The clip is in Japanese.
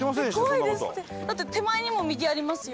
だって手前にも右ありますよ。